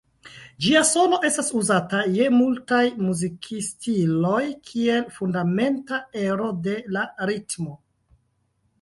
Ĝia sono estas uzata je multaj muzikstiloj kiel fundamenta ero de la ritmo.